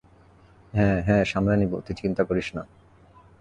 হ্যাঁ, হ্যাঁ সামলে নিবো, তুই চিন্তা করিস না।